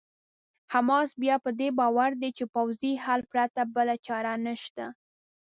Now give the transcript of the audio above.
حماس بیا په دې باور دی چې پوځي حل پرته بله چاره نشته.